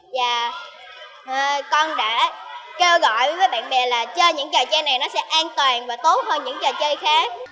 và con đã kêu gọi với bạn bè là chơi những trò chơi này nó sẽ an toàn và tốt hơn những trò chơi khác